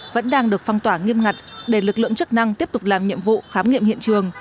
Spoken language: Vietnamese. vẫn đang được phong tỏa nghiêm ngặt để lực lượng chức năng tiếp tục làm nhiệm vụ khám nghiệm hiện trường